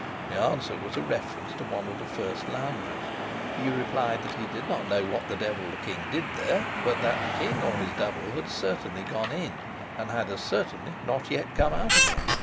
The answer was a reference to one of the first loungers; he replied that he did not know what the devil the king did there, but that the king or his double had certainly gone in, and had as certainly not yet come out again.